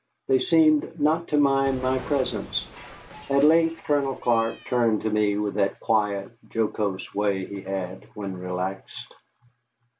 They seemed not to mind my presence. At length Colonel Clark turned to me with that quiet, jocose way he had when relaxed.